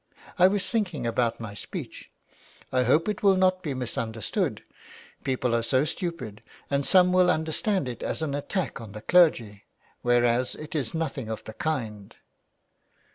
I was thinking about my speech. I hope it will not be misunderstood. People are so stupid, and some will understand it as an attack on the clergy, whereas it is nothing of the kind."